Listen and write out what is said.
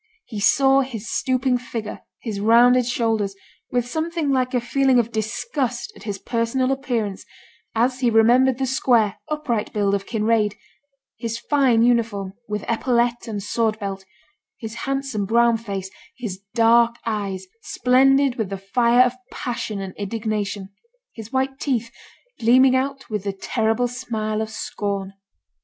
He saw his stooping figure, his rounded shoulders, with something like a feeling of disgust at his personal appearance as he remembered the square, upright build of Kinraid; his fine uniform, with epaulette and sword belt; his handsome brown face; his dark eyes, splendid with the fire of passion and indignation; his white teeth, gleaming out with the terrible smile of scorn.